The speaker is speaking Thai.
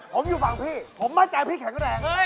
ผมอยู่ฝั่งพี่ผมมั่นใจพี่แข็งแรง